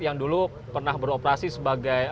yang dulu pernah beroperasi sebagai tram listrik